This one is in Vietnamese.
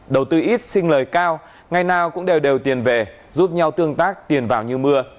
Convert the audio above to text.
đầu tư ít xin lời cao ngày nào cũng đều tiền về giúp nhau tương tác tiền vào như mưa